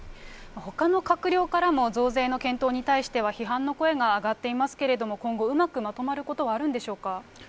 ほかの閣僚からも増税の検討に対しては批判の声が上がっていますけれども、今後、うまくまとまることはあるんでしょうか。